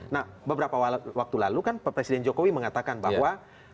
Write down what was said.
nah beberapa waktu lalu kan presiden jokowi mengatakan bahwa